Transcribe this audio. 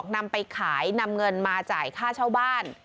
นำไปขายนำเงินมาจ่ายค่าเช่าบ้าน